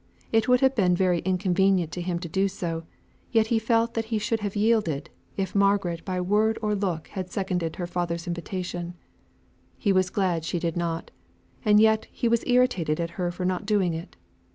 It would have been very inconvenient to him to do so, yet he felt that he should have yielded, if Margaret by word or look had seconded her father's invitation; he was glad she did not, and yet he was irritated at her for not doing so.